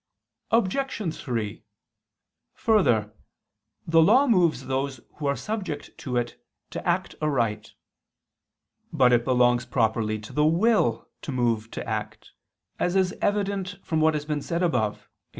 Obj. 3: Further, the law moves those who are subject to it to act aright. But it belongs properly to the will to move to act, as is evident from what has been said above (Q.